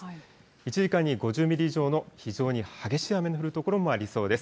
１時間に５０ミリ以上の非常に激しい雨の降る所もありそうです。